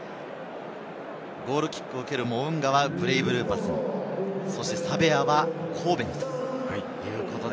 ゴールキックを蹴るモウンガはブレイブルーパス、サヴェアは神戸にということで。